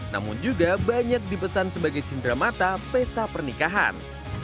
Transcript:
namun juga banyak dipesan sebagai cindera mata pesta pernikahan